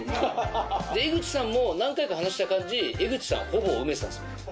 江口さんも何回か話した感じ江口さんはほぼウメさんですもん。